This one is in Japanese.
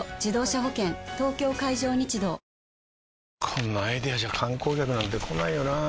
こんなアイデアじゃ観光客なんて来ないよなあ